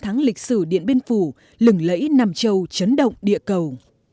thắng xử điện biên phủ lừng lẫy nam châu chấn động địa cầu